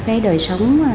cái đời sống